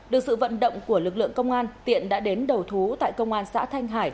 được sự vận động của lực lượng công an tiện đã đến đầu thú tại công an xã thanh hải